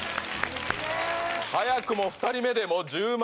早くも２人目でもう１０万